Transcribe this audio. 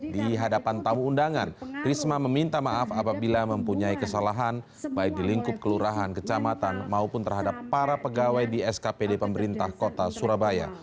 di hadapan tamu undangan risma meminta maaf apabila mempunyai kesalahan baik di lingkup kelurahan kecamatan maupun terhadap para pegawai di skpd pemerintah kota surabaya